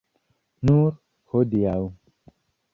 Nur hodiaŭ.